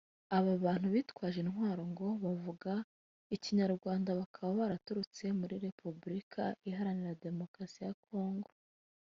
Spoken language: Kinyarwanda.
Aba bantu bitwaje intwaro ngo bavuga Ikinyarwanda bakaba baraturutse muri Repubulika Iharanira Demokarasi ya Congo